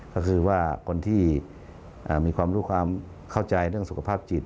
ก็คือว่าคนที่มีความรู้ความเข้าใจเรื่องสุขภาพจิต